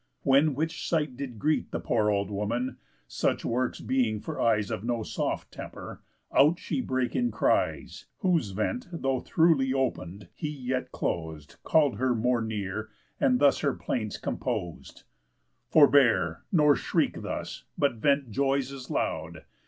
When which sight did greet The poor old woman (such works being for eyes Of no soft temper) out she brake in cries, Whose vent, though throughly open'd, he yet clos'd, Call'd her more near, and thus her plaints compos'd: "Forbear, nor shriek thus, but vent joys as loud.